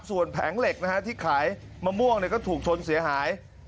ส่วนแผงเหล็กนะฮะที่ขายมะม่วงก็ถูกชนเสียหาย